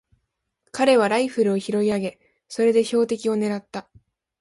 彼はライフルを拾い上げ、それで標的をねらった。